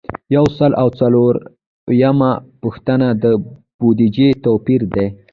یو سل او څلور اویایمه پوښتنه د بودیجې توپیر دی.